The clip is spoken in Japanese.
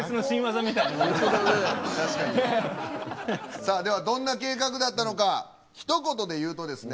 さあではどんな計画だったのかひと言で言うとですね